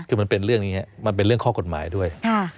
คือมันเป็นเรื่องนี้มันเป็นเรื่องข้อกฎหมายด้วย